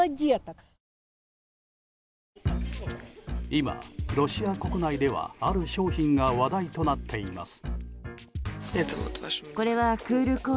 今、ロシア国内ではある商品が話題となっています。